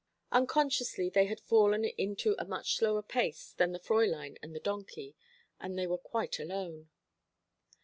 Unconsciously they had fallen into a much slower pace than the Fräulein and the donkey, and they were quite alone.